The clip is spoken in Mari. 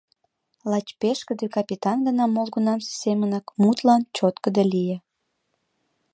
Лач пешкыде капитан гына молгунамсе семынак мутлан чоткыдо лие.